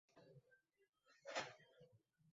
Dunyoda birinchi marta kiyiklarda koronavirus aniqlandi